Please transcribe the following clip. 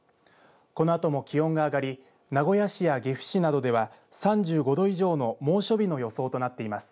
このあとも気温が上がり名古屋市や岐阜市などでは３５度以上の猛暑日の予想となっています。